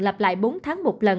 lặp lại bốn tháng một lần